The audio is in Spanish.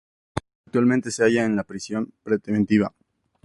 Actualmente se halla en prisión preventiva.